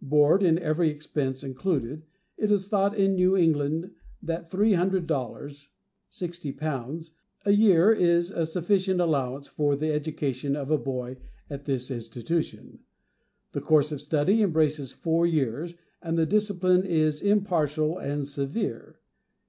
Board and every expense included, it is thought in New England that three hundred dollars (60_l._) a year is a sufficient allowance for the education of a boy at this institution. The course of study embraces four years, and the discipline is impartial and severe.